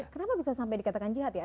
kenapa bisa sampai dikatakan jahat ya